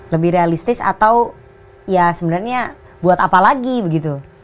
lebih realistis atau ya sebenarnya buat apa lagi begitu